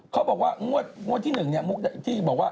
เขาบอกว่างวดที่๑เนี่ยมุกที่บอกว่า